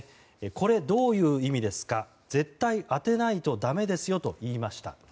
これ、どういう意味ですか絶対当てないとだめですよと言いました。